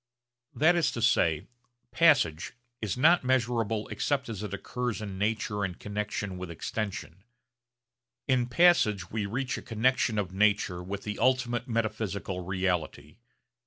That is to say, 'passage' is not measurable except as it occurs in nature in connexion with extension. In passage we reach a connexion of nature with the ultimate metaphysical reality.